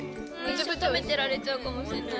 ずっとたべてられちゃうかもしんない。